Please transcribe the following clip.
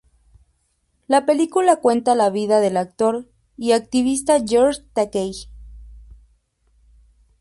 La película cuenta la vida del actor y activista George Takei.